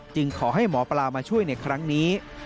ขอให้หมอปลามาช่วยในครั้งนี้